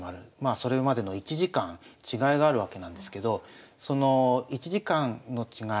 それまでの１時間違いがあるわけなんですけどその１時間の違い